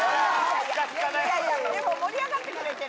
でも盛り上がってくれてるね。